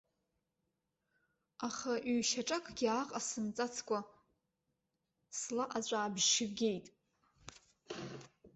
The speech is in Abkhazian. Аха ҩ-шьаҿакгьы ааҟасымҵацкәа, сла аҵәаабжьы геит.